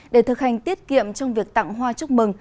để thực hành tiết kiệm trong việc tặng hoa chúc mừng